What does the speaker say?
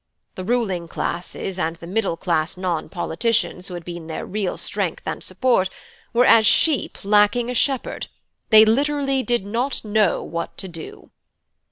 The ruling classes, and the middle class non politicians who had been their real strength and support, were as sheep lacking a shepherd; they literally did not know what to do.